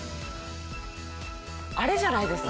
あれじゃないですか？